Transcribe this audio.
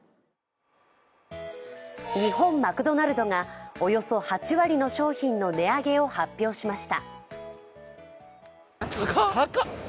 日本マクドナルドがおよそ８割の商品の値上げを発表しました。